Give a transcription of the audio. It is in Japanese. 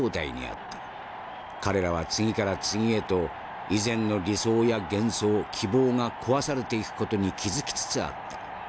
彼らは次から次へと以前の理想や幻想希望が壊されていく事に気付きつつあった。